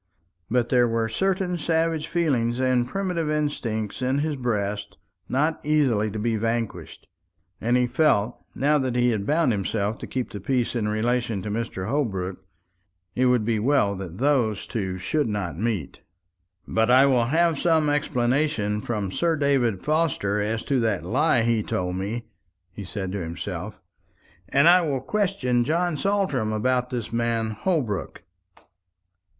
But there were certain savage feelings and primitive instincts in his breast not easily to be vanquished; and he felt that now he had bound himself to keep the peace in relation to Mr. Holbrook, it would be well that those two should not meet. "But I will have some explanation from Sir David Forster as to that lie he told me," he said to himself; "and I will question John Saltram about this man Holbrook."